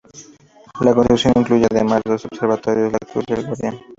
La construcción incluye además dos observatorios: La Cruz y El Guardián.